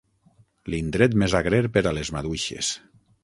L'indret més agrer per a les maduixes.